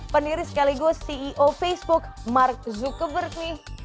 pendiri sekaligus ceo facebook mark zuckerberg nih